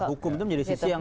hukum itu menjadi sisi yang